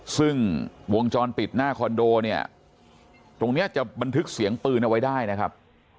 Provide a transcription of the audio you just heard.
ซึ่งวงจรปิดหน้าคอนโดเนี่ยตรงนี้จะบันทึกเสียงปืนเอาไว้ได้นะครับ